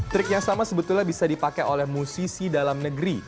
trik yang sama sebetulnya bisa dipakai oleh musisi dalam negeri